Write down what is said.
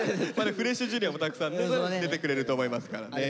フレッシュＪｒ．もたくさん出てくれると思いますからね。